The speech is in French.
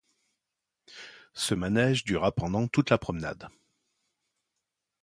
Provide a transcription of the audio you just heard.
Ce manège dura pendant toute la promenade.